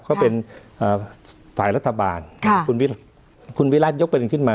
เขาเป็นอ่าฝ่ายรัฐบาลค่ะคุณวิรัติคุณวิรัติยกเว้นขึ้นมา